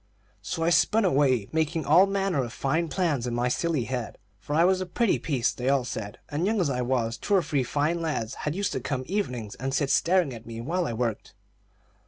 So I spun away, making all manner of fine plans in my silly head, for I was a pretty piece, they all said, and young as I was, two or three fine lads used to come evenings and sit staring at me while I worked.